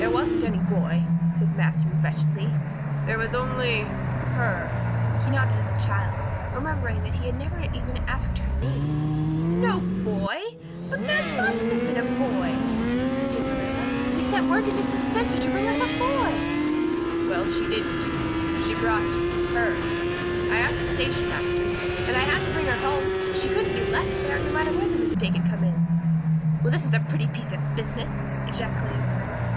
"There wasn't any boy," said Matthew wretchedly. "There was only her." He nodded at the child, remembering that he had never even asked her name. "No boy! But there must have been a boy," insisted Marilla. "We sent word to Mrs. Spencer to bring a boy." "Well, she didn't. She brought her. I asked the station master. And I had to bring her home. She couldn't be left there, no matter where the mistake had come in." "Well, this is a pretty piece of business!" ejaculated Marilla.